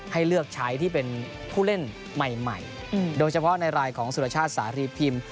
ให้เลือกใช้ที่เป็นผู้เล่นใหม่โดยเฉพาะในรายของสุรชาติสารีพิมพ์